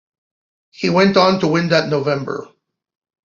He went on to win that November.